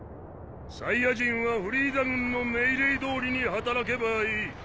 サイヤ人はフリーザ軍の命令どおりに働けばいい。